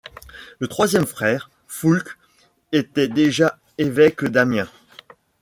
Le troisième frère, Foulque, était déjà évêque d'Amiens.